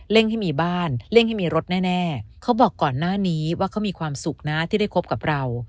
ให้มีบ้านเร่งให้มีรถแน่เขาบอกก่อนหน้านี้ว่าเขามีความสุขนะที่ได้คบกับเรา